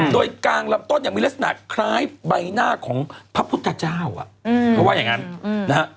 โดยกลางต้นอย่างมีลักษณะคล้ายใบหน้าของพระพุทธเจ้า